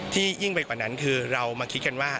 ยิ่งไปกว่านั้นคือเรามาคิดกันว่า